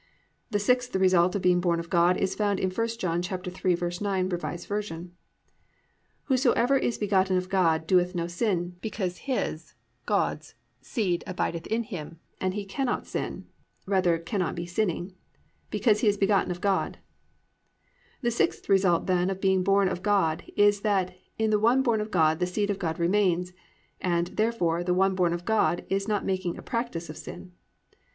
6. The sixth result of being born of God is found in 1 John 3:9, R. V., +"Whosoever is begotten of God doeth no sin; because his+ (i.e., God's) +seed abideth in him: and he cannot sin+ (rather, cannot be sinning), +because he is begotten of God."+ _The sixth result, then, of being born of God is that in the one born of God the seed of God remains; and, therefore, the one born of God is not making a practice of sin.